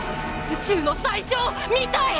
宇宙の最初を見たい！